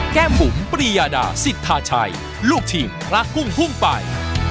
แก้หมุมปริยาดาสิทธาชัยลูกทีมลากุ้งพุ่งไป